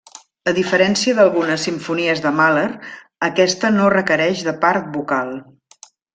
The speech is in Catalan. A diferència d'algunes simfonies de Mahler, aquesta no requereix de part vocal.